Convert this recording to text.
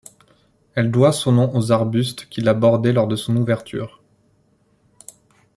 Elle doit son nom aux arbustes qui la bordaient lors de son ouverture.